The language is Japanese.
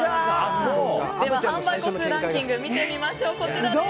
販売個数ランキング見てみましょう。